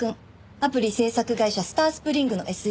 アプリ制作会社スタースプリングのＳＥ。